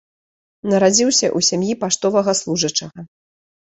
Нарадзіўся ў сям'і паштовага служачага.